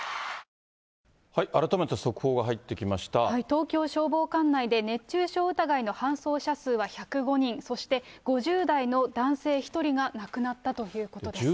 東京消防管内で熱中症疑いの搬送者数は１０５人、そして５０代の男性１人が亡くなったということです。